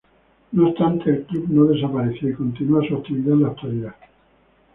No obstante, el club no desapareció y continúa su actividad en la actualidad.